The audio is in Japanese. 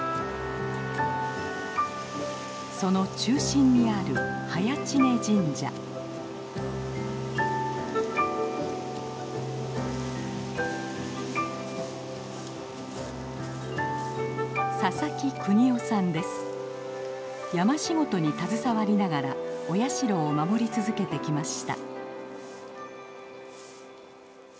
その中心にある山仕事に携わりながらお社を守り続けてきました。